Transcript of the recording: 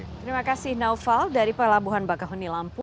terima kasih naufal dari pelabuhan bakahuni lampung